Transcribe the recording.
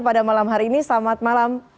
pada malam hari ini selamat malam